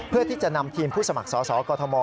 เพื่อที่จะนำทีมผู้สมัครสอสอกอทม